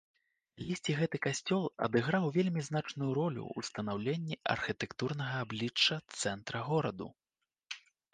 Калісьці гэты касцёл адыграў вельмі значную ролю ў станаўленні архітэктурнага аблічча цэнтра гораду.